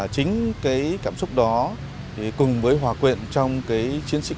chính cảm xúc đó cùng với hòa quyện trong chiến sĩ quân y quên mình